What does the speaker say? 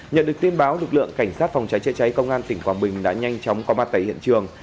nhận được tin báo lực lượng cảnh sát phòng cháy chữa cháy công an tỉnh quảng bình đã nhanh chóng có mặt tại hiện trường